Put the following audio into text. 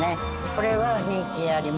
これは人気あります。